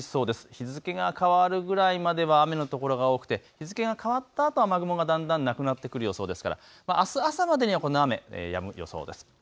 日付が変わるぐらいまでは雨の所が多くて日付が変わったあと雨雲がだんだんなくなってくる予想ですから、あす朝までにはこの雨やむ予想です。